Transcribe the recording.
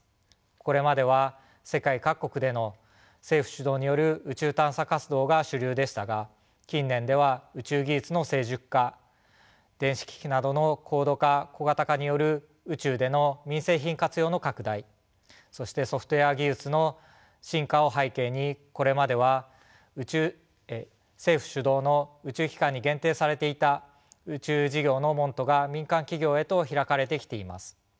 これまでは世界各国での政府主導による宇宙探査活動が主流でしたが近年では宇宙技術の成熟化電子機器などの高度化・小型化による宇宙での民生品活用の拡大そしてソフトウエア技術の進化を背景にこれまでは政府主導の宇宙機関に限定されていた宇宙事業の門戸が民間企業へと開かれてきています。